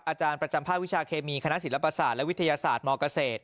อาจารย์ประจำภาควิชาเคมีคณะศิลปศาสตร์และวิทยาศาสตร์มเกษตร